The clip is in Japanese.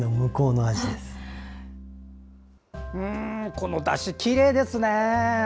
このだし、きれいですね。